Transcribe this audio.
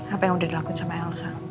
apa yang udah dilakuin sama elsa